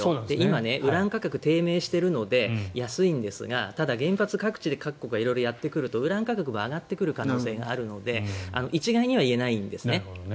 ウラン価格が低迷しているので安いんですがただ原発を各国がやってくるとウラン価格も上がってくる可能性もあるので一概には言えないんですね。